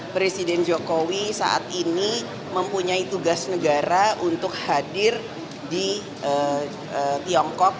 presiden jokowi saat ini mempunyai tugas negara untuk hadir di tiongkok